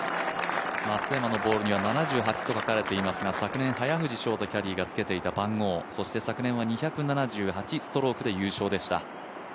松山のボールには７８と書かれていますが、昨年、早藤将太キャディーがつけていた番号そして昨年は２７８ストロークで優勝でした。